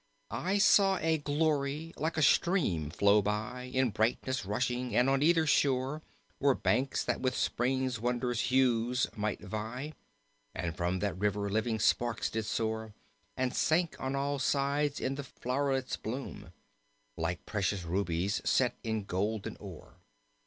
"I saw a glory like a stream flow by. In brightness rushing and on either shore Were banks that with spring's wondrous hues might vie. And from that river living sparks did soar, And sank on all sides in the flow'rets' bloom, Like precious rubies set in golden ore.